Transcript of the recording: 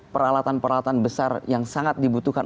peralatan peralatan besar yang sangat dibutuhkan